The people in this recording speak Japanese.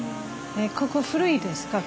ここ古いですか？